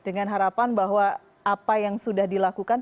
dengan harapan bahwa apa yang sudah dilakukan